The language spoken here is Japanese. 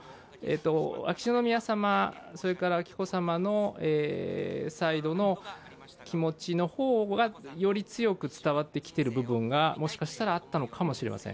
秋篠宮さま、紀子さまのサイドの気持ちの方がより強く伝わってきてる部分がもしかしたら、あったのかもしれません。